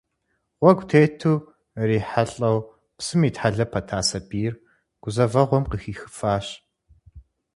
Гъуэгу тету ирихьэлӏэу псым итхьэлэ пэта сабийр гузэвэгъуэм къыхихыфащ.